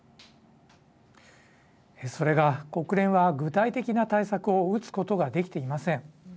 それが、国連は具体的な対策を打つことができていません。